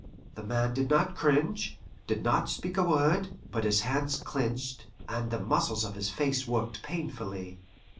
The man did not cringe, did not speak a word, but his hands clinched, and the muscles of his face worked painfully.